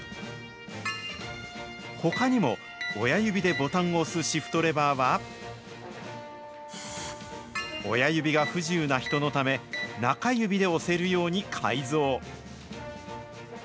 ほかにも親指でボタンを押すシフトレバーは、親指が不自由な人のため、中指で押せるように改造。